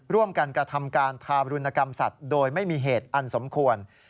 ร่วมกันกระทำการทารุณกรรมสัตว์โดยไม่มีเหตุอันสมควร